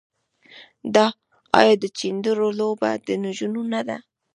آیا د چيندرو لوبه د نجونو نه ده؟